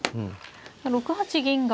６八銀が。